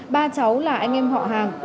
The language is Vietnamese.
ba cháu là anh em họ hàng